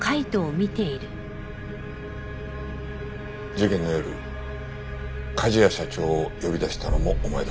事件の夜梶谷社長を呼び出したのもお前だな？